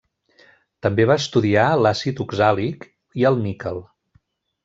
També va estudiar l'àcid oxàlic i el níquel.